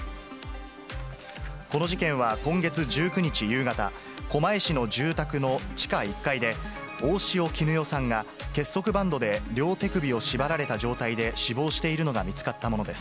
この事件は、今月１９日夕方、狛江市の住宅の地下１階で、大塩衣与さんが結束バンドで両手首を縛られた状態で死亡しているのが見つかったものです。